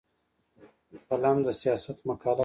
قلم د سیاست مقاله لیکي